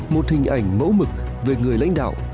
một hình ảnh mẫu mực về người lãnh đạo